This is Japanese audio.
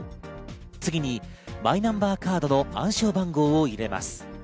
次にマイナンバーカードの暗証番号を入れます。